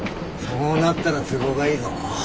そうなったら都合がいいぞ。